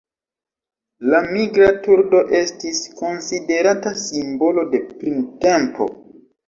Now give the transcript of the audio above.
La Migra turdo estis konsiderata simbolo de printempo.